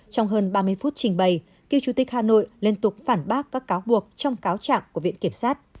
trong hơn ba mươi phút trình bày cựu chủ tịch hà nội liên tục phản bác các cáo buộc trong cáo trạng của viện kiểm sát